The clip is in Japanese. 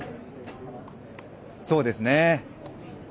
そうですね。